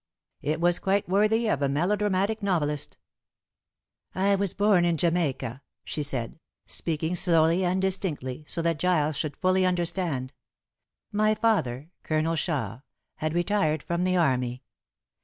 It was quite worthy of a melodramatic novelist. "I was born in Jamaica," she said, speaking slowly and distinctly, so that Giles should fully understand. "My father, Colonel Shaw, had retired from the army.